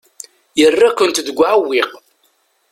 Yerra-kent deg uɛewwiq.